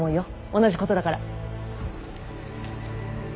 同じことだから！